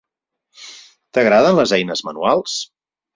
T'agraden les eines manuals?